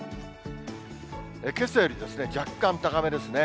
けさより若干高めですね。